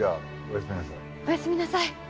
おやすみなさい。